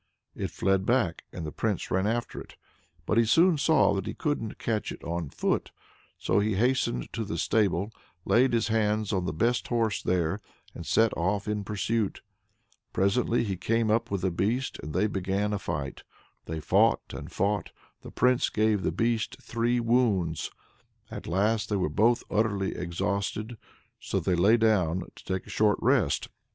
It fled back, and the Prince ran after it. But he soon saw that he couldn't catch it on foot, so he hastened to the stable, laid his hands on the best horse there, and set off in pursuit. Presently he came up with the beast, and they began a fight. They fought and fought; the Prince gave the beast three wounds. At last they were both utterly exhausted, so they lay down to take a short rest.